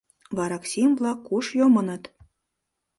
Вараксим-влак куш йомыныт?